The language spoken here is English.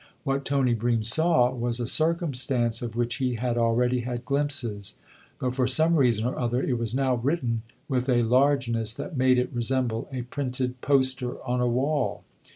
What Tony Bream saw was a circumstance of which he had 148 THE OTHER HOUSE already had glimpses ; but for some reason or other it was now written with a largeness that made it resemble a printed poster on a wall.